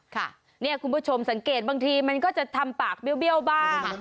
ค่ะเนี่ยคุณผู้ชมสังเกตบางทีมันก็จะทำปากเบี้ยวบ้าง